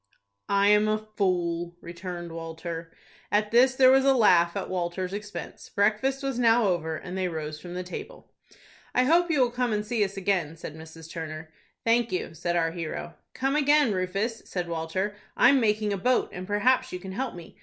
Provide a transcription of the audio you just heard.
"I am a fool," returned Walter. At this there was a laugh at Walter's expense. Breakfast was now over, and they rose from the table. "I hope you will come and see us again," said Mrs. Turner. "Thank you," said our hero. "Come again, Rufus," said Walter; "I'm making a boat, and perhaps you can help me.